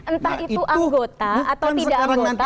entah itu anggota atau tidak anggota